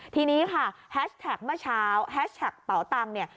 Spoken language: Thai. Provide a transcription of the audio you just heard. ทีนี้ค่ะแฮชแท็กเมื่อเช้าแฮชแท็กเป๋าตังค์เนี่ย